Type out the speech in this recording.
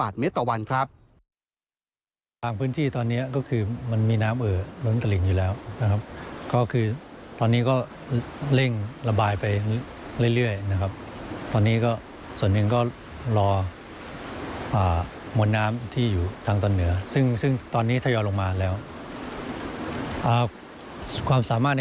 ที่๙๓๙๔ล้านลูกบาทเม็ด